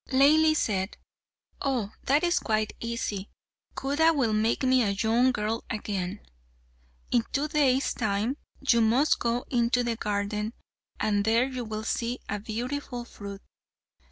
Laili said, "Oh, that is quite easy. Khuda will make me a young girl again. In two days' time you must go into the garden, and there you will see a beautiful fruit.